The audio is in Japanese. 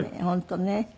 本当ね。